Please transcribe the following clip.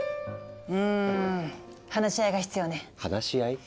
うん話し合いが必要ね。話し合い？